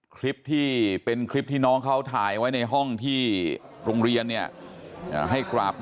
คลิปนี้ที่น้องเขาถ่ายไว้ในห้องที่โรงเรียนให้ดับ